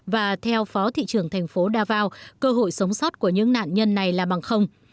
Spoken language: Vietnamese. và theo phó thị trưởng thành phố davao cơ hội sống sót của những nạn nhân này là bằng không